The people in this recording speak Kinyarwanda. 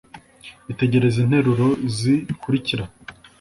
Itegereze interuro zi kurikira